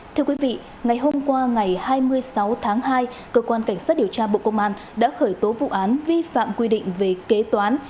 thưa quý vị ngày hôm qua ngày hai mươi sáu tháng hai cơ quan cảnh sát điều tra bộ công an đã khởi tố vụ án vi phạm quy định về kế toán